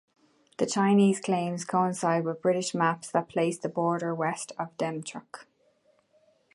The Chinese claims coincide with British maps that placed the border west of Demchok.